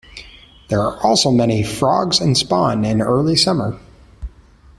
There are also many frogs and spawn in early summer.